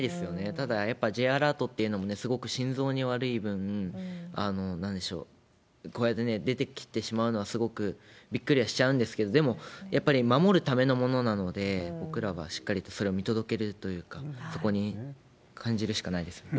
ただ、やっぱりＪアラートっていうのもすごく心臓に悪い分、なんでしょう、こうやって出てきてしまうのは、すごくびっくりはしちゃうんですけど、でも、やっぱり守るためのものなので、僕らはしっかりとそれを見届けるというか、そこに感じるしかないですよね。